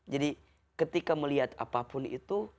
jadi ketika melihat apapun itu